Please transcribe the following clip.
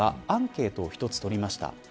アンケートを一つ取りました。